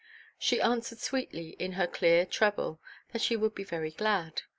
She answered sweetly, in her clear treble, that she would be very glad.